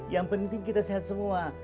yang penting kita sehat semua